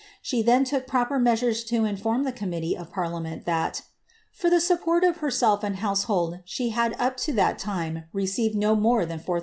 She then took proper measures to inform the committee of parltameDt that, :•;^ for tlie support of herself and household, she had up to that timi received no more than 4000